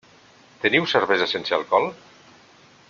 Teniu cervesa sense alcohol?